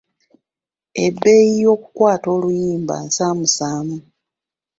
Ebbeeyi y'okukwata oluyimba nsaamusaamu.